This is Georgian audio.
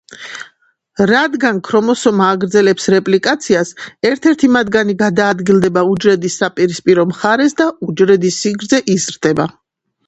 რადგან ქრომოსომა აგრძელებს რეპლიკაციას, ერთ-ერთი მათგანი გადაადგილდება უჯრედის საპირისპირო მხარეს და უჯრედის სიგრძე იზრდება.